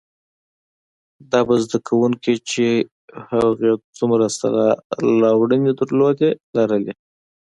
دا به زده کړي چې هغې څومره لاسته راوړنې لرلې،